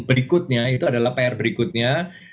berikutnya itu adalah pr berikutnya